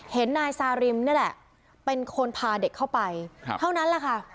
เห็นนายซาริมนี่แหละเป็นคนพาเด็กเข้าไปเท่านั้นแหละค่ะ